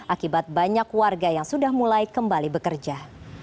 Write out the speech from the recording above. akibat banyak warga yang sudah mulai kembali bekerja